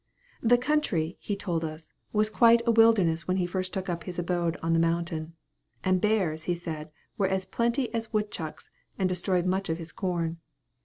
The country, he told us, was quite a wilderness when he first took up his abode on the mountain; and bears, he said, were as plenty as woodchucks, and destroyed much of his corn.